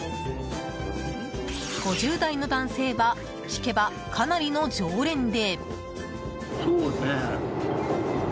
５０代の男性は聞けば、かなりの常連で。